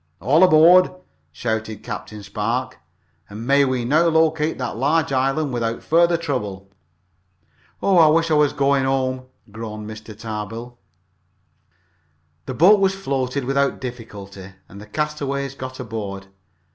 "All aboard!" shouted Captain Spark. "And may we now locate that large island without further trouble." "Oh, I wish I was home!" groaned Mr. Tarbill. The boat was floated without difficulty, and the castaways got aboard.